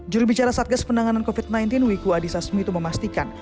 jurubicara satgas pendanganan covid sembilan belas wiku adhisa sumih itu memastikan